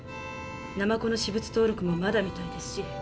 ナマコの私物登録もまだみたいですし。